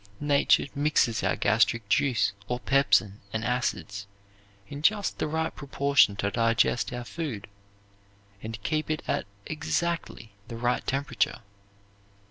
Nature mixes our gastric juice or pepsin and acids in just the right proportion to digest our food, and keep it at exactly the right temperature.